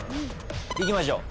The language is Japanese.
いきましょう。